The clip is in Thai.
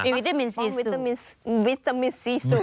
มีวิตามินซีสูง